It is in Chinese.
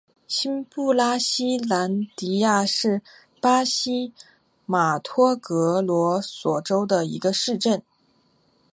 新布拉西兰迪亚是巴西马托格罗索州的一个市镇。